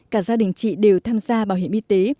cả gia đình chị đều tham gia bảo hiểm y tế